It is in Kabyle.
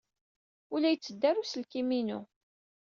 Ur la yetteddu ara uselkim-inu.